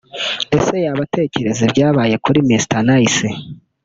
(Ese yaba atekereza ibyabaye kuri Mister Nice